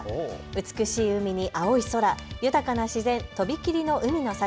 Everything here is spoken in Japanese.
美しい海に青い空、豊かな自然、飛び切りの海の幸。